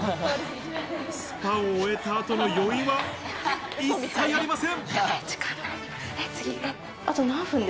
スパを終えた後の余韻は一切ありません。